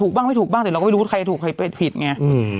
ใครถูกใครแวะผิดไง